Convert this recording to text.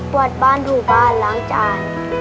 วาดบ้านถูบ้านล้างจาน